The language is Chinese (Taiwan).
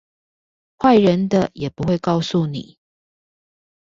壞人的也不會告訴你